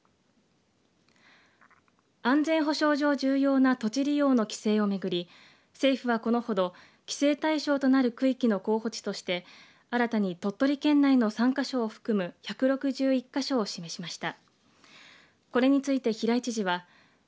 安全保障上重要な土地利用の規制を巡り政府はこのほど規制対象となる区域の候補地として新たに鳥取県内の３か所を含む１６１か所を示しました。